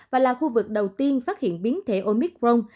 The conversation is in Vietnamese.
và là khu vực đầu tiên phát hiện biến thể omicron